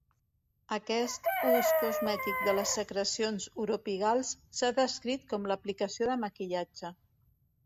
Aquest ús cosmètic de les secrecions uropigals s'ha descrit com l'aplicació de "maquillatge".